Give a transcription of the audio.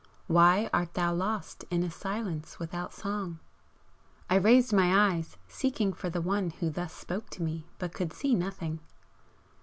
Why art thou lost in a Silence without Song?" I raised my eyes, seeking for the one who thus spoke to me, but could see nothing.